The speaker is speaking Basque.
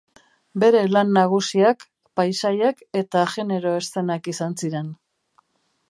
Bere lan nagusiak paisaiak eta genero-eszenak izan ziren.